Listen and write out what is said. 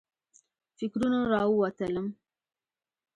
فکرونو راووتلم.